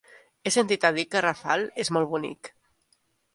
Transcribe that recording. He sentit a dir que Rafal és molt bonic.